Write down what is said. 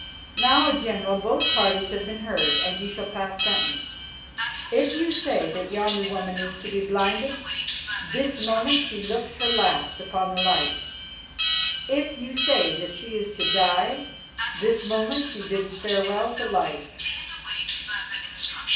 Now, General, both parties have been heard and you shall pass sentence. If you say that yonder woman is to be blinded, this moment she looks her last upon the light. If you say that she is to die, this moment she bids farewell to life."